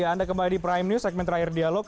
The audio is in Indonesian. ya anda kembali di prime news segmen terakhir dialog